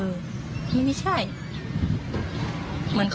และที่สำคัญก็มีอาจารย์หญิงในอำเภอภูสิงอีกเหมือนกัน